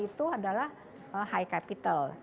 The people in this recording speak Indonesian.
itu adalah high capital